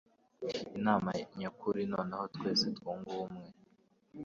inama nyakuri noneho twese twunge ubumwe